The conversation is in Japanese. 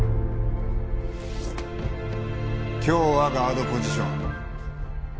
今日はガードポジション。